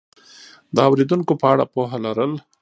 د اورېدونکو په اړه پوهه لرل